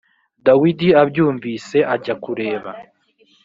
dawidi abyumvise ajya kureba